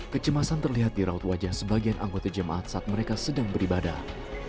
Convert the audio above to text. kecemasan terlihat di raut wajah sebagian anggota jemaat saat mereka sedang beribadah